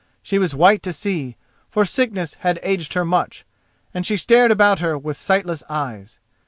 She was white to see, for sickness had aged her much, and she stared about her with sightless eyes.